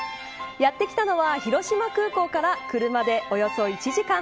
やってきたのは広島空港から車で、およそ１時間。